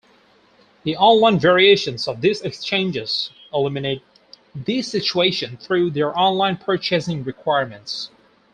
The online variations of these exchanges eliminate this situation through their online purchasing requirements.